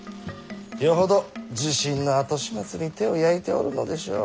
よほど地震の後始末に手を焼いておるのでしょう。